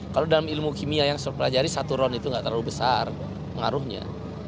kalau dalam ilmu kimia yang saya pelajari satu ron itu nggak terlalu besar pengaruhnya